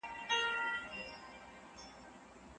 ايا حضوري ټولګي د ټولنيز تعامل سبب ګرځي؟